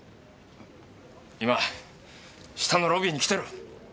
今下のロビーに来てる。